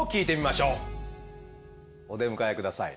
お出迎え下さい。